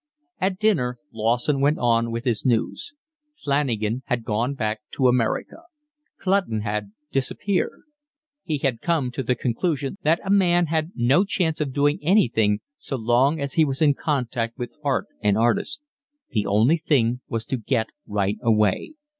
At dinner Lawson went on with his news. Flanagan had gone back to America. Clutton had disappeared. He had come to the conclusion that a man had no chance of doing anything so long as he was in contact with art and artists: the only thing was to get right away.